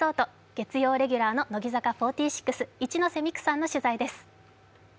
月曜レギュラーの乃木坂４６、一ノ瀬美空さんの取材です。